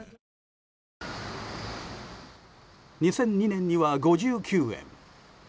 ２００２年には５９円。